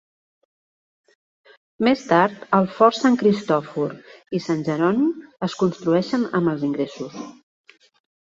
Més tard, el fort Sant Cristòfor i Sant Jeroni es construeixen amb els ingressos.